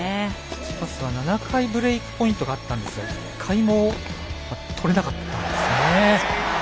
チチパスは７回ブレークポイントがあったんですが１回も取れなかったんですね。